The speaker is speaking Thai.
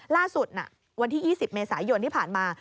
ล่าสุดวันที่๒๐เมษายนที่ผ่านมา